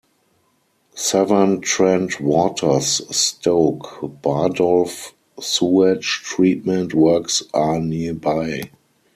Severn Trent Water's Stoke Bardolph Sewage treatment Works are nearby.